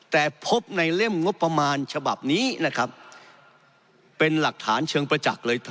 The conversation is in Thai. แต่พบในเล่มงบประมาณฉบับนี้นะครับเป็นหลักฐานเชิงประจักษ์เลย